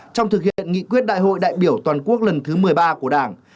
trong thực hiện nghị quyết đại hội đại biểu toàn quốc lần thứ một mươi ba của đảng